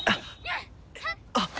あっ！